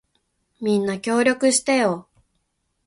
みんな、協力してよ。